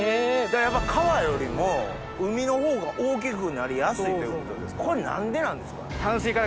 やっぱ川よりも海のほうが大きくなりやすいということでこれ何でなんですか？